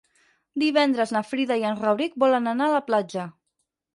Divendres na Frida i en Rauric volen anar a la platja.